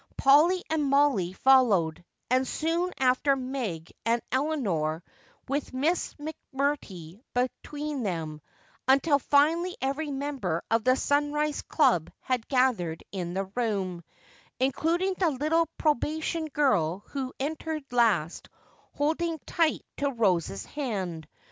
Polly and Mollie followed, and soon after Meg and Eleanor with Miss McMurtry between them, until finally every member of the Sunrise club had gathered in the room, including the little probation girl who entered last holding tight to Rose's hand.